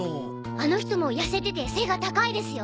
あの人もやせてて背が高いですよ。